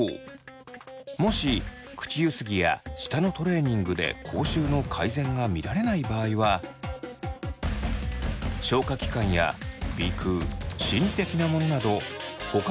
もし口ゆすぎや舌のトレーニングで口臭の改善が見られない場合は消化器官や鼻腔心理的なものなどほかの原因による可能性があります。